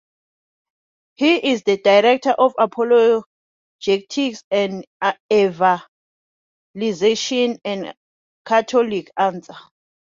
He is the Director of Apologetics and Evangelization at Catholic Answers.